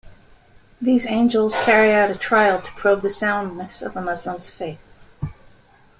These angels carry out a trial to probe the soundness of a Muslim's faith.